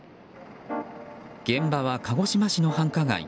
現場は鹿児島市の繁華街